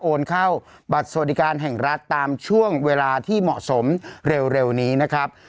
เข้าบัตรสวัสดิการแห่งรัฐตามช่วงเวลาที่เหมาะสมเร็วนี้นะครับ